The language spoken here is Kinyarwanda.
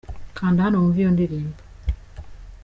kanda hano wumve iyo ndirimbo.